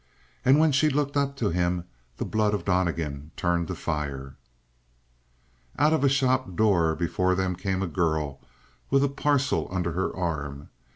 And when she looked up to him, the blood of Donnegan turned to fire. Out of a shop door before them came a girl with a parcel under her arm.